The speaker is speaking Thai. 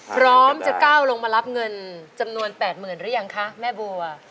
พร้อมจะก้าวลงมารับเงินจำนวน๘๐๐๐หรือยังคะแม่บัว